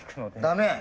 駄目？